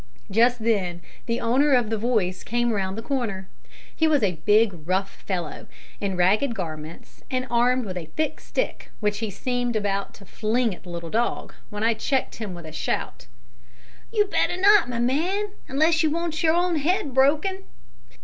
Just then the owner of the voice came round the corner. He was a big, rough fellow, in ragged garments, and armed with a thick stick, which he seemed about to fling at the little dog, when I checked him with a shout "You'd better not, my man, unless you want your own head broken!"